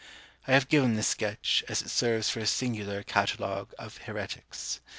I have given this sketch, as it serves for a singular Catalogue of Heretics.